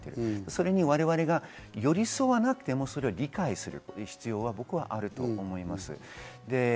それには我々が寄り添わなくても理解する必要があると思います。